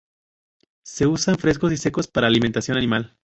Se usan frescos y secos para alimentación animal.